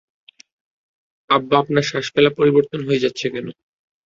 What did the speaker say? আব্বা আপনার শ্বাস ফেলা পরিবর্তন হয়ে যাচ্ছে কেন?